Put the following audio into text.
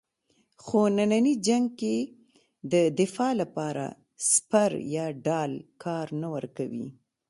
خو نننی جنګ کې د دفاع لپاره سپر یا ډال کار نه ورکوي.